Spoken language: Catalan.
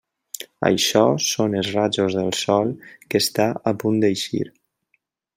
Això són els rajos del sol que està a punt d'eixir.